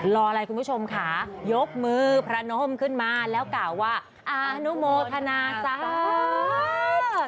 รออะไรคุณผู้ชมค่ะยกมือพระนมขึ้นมาแล้วกล่าวว่าอนุโมทนาจ้า